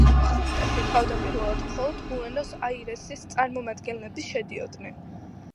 ხუნტაში თავდაპირველად მხოლოდ ბუენოს-აირესის წარმომადგენლები შედიოდნენ.